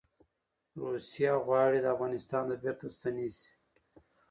روسې غواړي افغانستان ته بیرته ستنې شي.